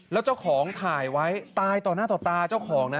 แล้วเจ้าของถ่ายไว้ตายต่อหน้าต่อตาเจ้าของนะ